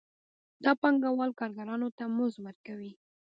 دا پانګوال کارګرانو ته مزد ورکوي